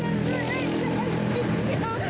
แม่คอ